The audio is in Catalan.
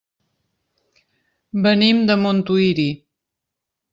Venim de Montuïri.